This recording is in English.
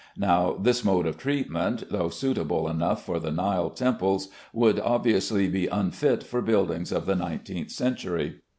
Now this mode of treatment, though suitable enough for the Nile temples, would obviously be unfit for buildings of the nineteenth century.